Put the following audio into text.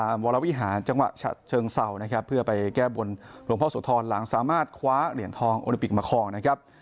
วรวิหารจังหวัดฉะเชิงเศร้านะครับเพื่อไปแก้บนหลวงพ่อโสธรหลังสามารถคว้าเหรียญทองโอลิปิกมาคลองนะครับ